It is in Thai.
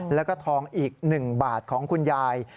แล้วก็ทองอีก๑บาทของคุณยาย